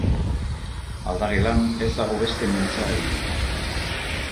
Aldagelan ez dago beste mintzagairik.